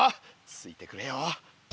ついてくれよ。